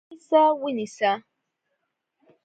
ونیسه! ونیسه!